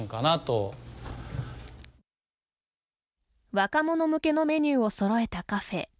若者向けのメニューをそろえたカフェ。